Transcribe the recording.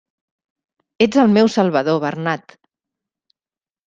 Ets el meu salvador, Bernat!